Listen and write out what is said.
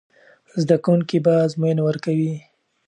زده کوونکي به ازموینه ورکوي.